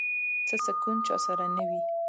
څه سکون چا سره نه وي